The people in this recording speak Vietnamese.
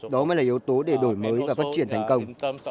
đó mới là yếu tố để đổi mới và phát triển thành công